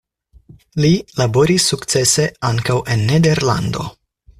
Li laboris sukcese ankaŭ en Nederlando.